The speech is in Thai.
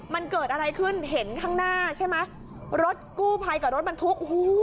มันเกิดอะไรขึ้นเห็นข้างหน้าใช่ไหมรถกู้ภัยกับรถบรรทุกโอ้โห